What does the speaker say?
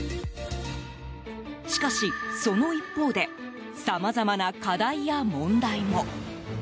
しかし、その一方でさまざまな課題や問題も。